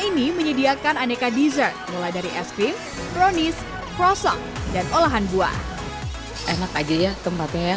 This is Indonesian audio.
ini menyediakan aneka dizer mulai dari es krim kronis transak dan olahan buah enak aja tempatnya